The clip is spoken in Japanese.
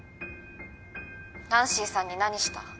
ナンシーさんに何した？